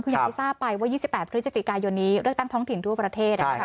คืออย่างที่ทราบไปว่า๒๘พฤศจิกายนนี้เลือกตั้งท้องถิ่นทั่วประเทศ